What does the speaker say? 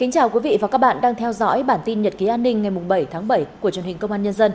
chào mừng quý vị đến với bản tin nhật ký an ninh ngày bảy tháng bảy của truyền hình công an nhân dân